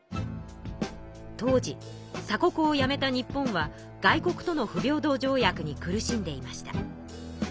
当時鎖国をやめた日本は外国との不平等条約に苦しんでいました。